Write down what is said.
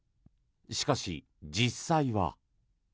しかし、実際は。